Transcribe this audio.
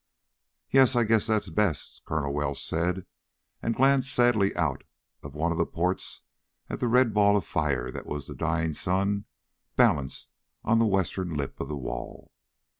"Yes, I guess that's best," Colonel Welsh said, and glanced sadly out one of the ports at the red ball of fire that was the dying sun balanced on the western lip of the wall.